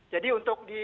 jadi untuk di